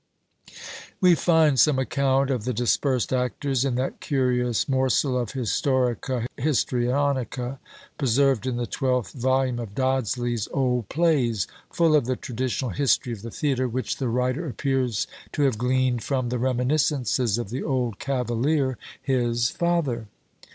We find some account of the dispersed actors in that curious morsel of "Historica Histrionica," preserved in the twelfth volume of Dodsley's Old Plays; full of the traditional history of the theatre, which the writer appears to have gleaned from the reminiscences of the old cavalier, his father.